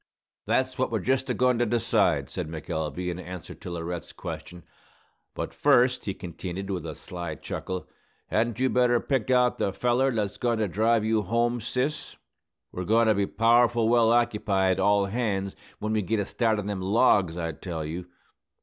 "That's what we're just a goin' to decide," said McElvey, in answer to Laurette's question. "But first," he continued, with a sly chuckle, "hadn't you better pick out the feller that's goin' to drive you home, sis? We're goin' to be powerful well occupied, all hands, when we git a start on them logs, I tell you!"